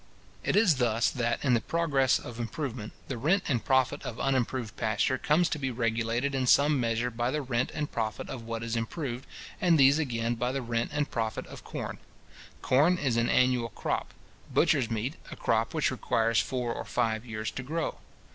It is thus that, in the progress of improvement, the rent and profit of unimproved pasture come to be regulated in some measure by the rent and profit of what is improved, and these again by the rent and profit of corn. Corn is an annual crop; butcher's meat, a crop which requires four or five years to grow.